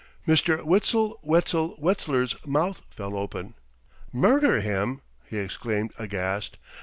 '" Mr. Witzel Wetzel Wetzler's mouth fell open. "Murder him!" he exclaimed aghast.